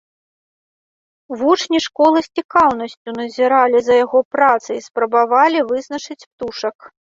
Вучні школы з цікаўнасцю назіралі за яго працай і спрабавалі вызначыць птушак.